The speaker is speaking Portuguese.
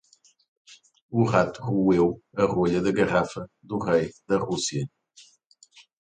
O rato roeu a rolha da garrafa do Rei da Rússia.